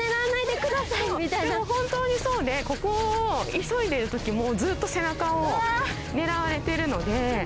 でも、本当にそうでここを急いでる時もずっと、背中を狙われてるので。